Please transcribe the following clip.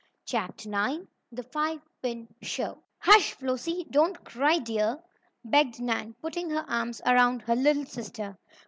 CHAPTER IX THE FIVE PIN SHOW. "Hush, Flossie, don't cry, dear!" begged Nan, putting her arms around her little sister.